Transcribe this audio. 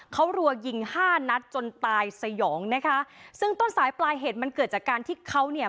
เขารัวยิงห้านัดจนตายสยองนะคะซึ่งต้นสายปลายเหตุมันเกิดจากการที่เขาเนี่ย